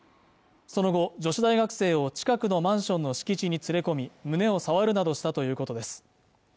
その後女子大学生を近くのマンションの敷地に連れ込み胸を触るなどしたということです